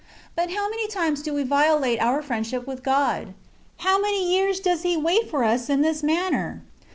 But how many times do we violate our friendship with God ! How many years does He wait for us in this manner!